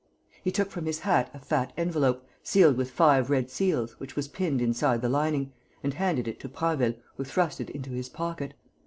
He took from his hat a fat envelope, sealed with five red seals, which was pinned inside the lining, and handed it to Prasville, who thrust it into his pocket.